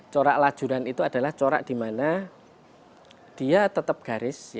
corak lajuran itu adalah corak di mana dia tetap garis